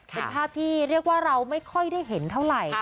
เป็นภาพที่เรียกว่าเราไม่ค่อยได้เห็นเท่าไหร่